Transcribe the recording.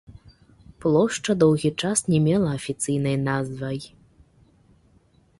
Плошча доўгі час не мела афіцыйнай назвай.